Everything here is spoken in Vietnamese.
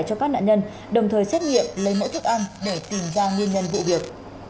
cho các nạn nhân đồng thời xét nghiệm lấy mẫu thức ăn để tìm ra nguyên nhân vụ việc